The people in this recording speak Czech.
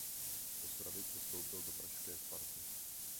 Z Ostravy přestoupil do pražské Sparty.